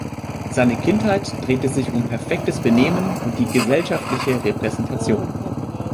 Seine Kindheit drehte sich um perfektes Benehmen und die gesellschaftliche Repräsentation.